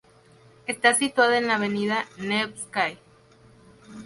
Está situada en la avenida Nevsky.